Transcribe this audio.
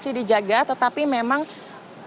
bukan menjadi salah satu rumah yang sangat terhubung